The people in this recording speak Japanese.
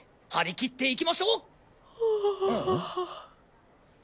張り切っていきましょう！